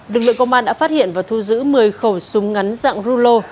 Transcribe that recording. lực lượng công an đã phát hiện và thu giữ một mươi khẩu súng ngắn dạng rulo